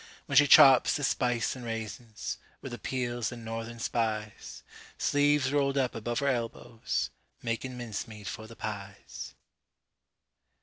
When she chops the spice an' raisins, With the peels an' Northern Spies, Sleeves rolled up above her elbows, Makin' mincemeat for the pies.